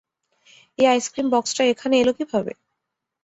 এই আইসক্রিম বক্সটা এখানে এলো কীভাবে?